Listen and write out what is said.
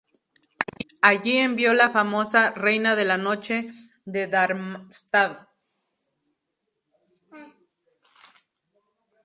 Allí envió la famosa „Reina de la Noche“ de Darmstadt.